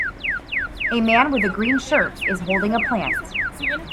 A man with a green shirt is holding a plant.